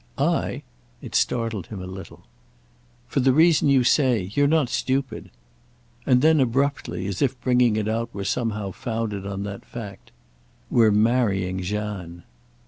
"I?"—it startled him a little. "For the reason you say. You're not stupid." And then abruptly, as if bringing it out were somehow founded on that fact: "We're marrying Jeanne."